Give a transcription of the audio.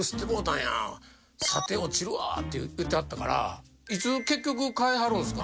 「査定落ちるわ」って言ってはったからいつ結局替えはるんですか？